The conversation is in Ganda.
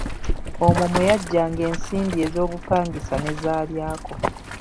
Omwo mwe yaggyanga ensimbi ez’obupangisa ne z’alyako.